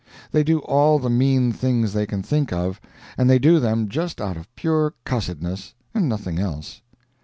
They do all the mean things they can think of, and they do them just out of pure cussedness, and nothing else.